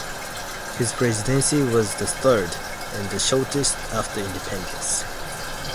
His presidency was the third, and the shortest, after independence.